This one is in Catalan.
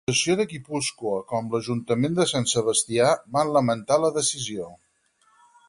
Tant la Diputació de Guipúscoa com l'Ajuntament de Sant Sebastià van lamentar la decisió.